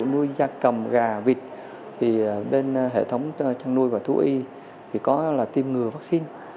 nui da cầm gà vịt thì bên hệ thống trang nuôi và thu y thì có là tiêm ngừa vaccine